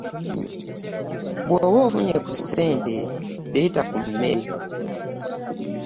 Bw'oba ofunye ku ssente leeta ku mmere.